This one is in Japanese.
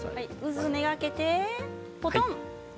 渦を目がけて、ぼとん。